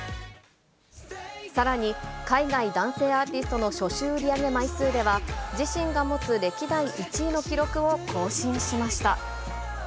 さらに、海外男性アーティストの初週売り上げ枚数では、自身が持つ歴代１位の記録を更新しました。